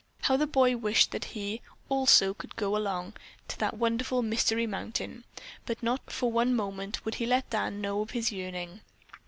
How the boy wished that he, also, could go to that wonderful Mystery Mountain, but not for one moment would he let Dad know of this yearning.